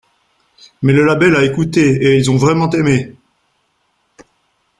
Mais le label a écouté et ils ont vraiment aimé.